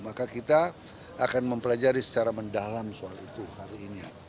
maka kita akan mempelajari secara mendalam soal itu hari ini